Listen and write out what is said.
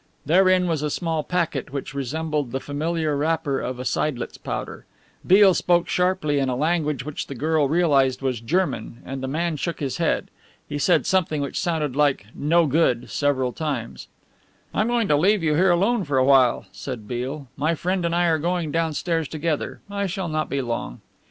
Therein was a small packet which resembled the familiar wrapper of a seidlitz powder. Beale spoke sharply in a language which the girl realized was German, and the man shook his head. He said something which sounded like "No good," several times. "I'm going to leave you here alone for awhile," said Beale, "my friend and I are going downstairs together I shall not be long."